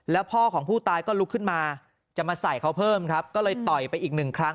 แล้วพ่อของผู้ตายก็ลุกขึ้นมาจะมาใส่เขาเพิ่มครับก็เลยต่อยไปอีกหนึ่งครั้ง